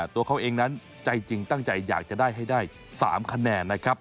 ตัวเขาเองนั้นใจจริงตั้งใจอยากจะได้ให้ได้๓คะแนนนะครับ